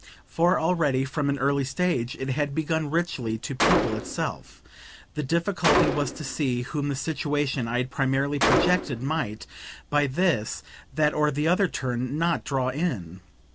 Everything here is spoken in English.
For already, from an early stage, it had begun richly to people itself: the difficulty was to see whom the situation I had primarily projected might, by this, that or the other turn, NOT draw in.